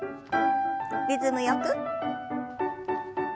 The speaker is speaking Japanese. リズムよく。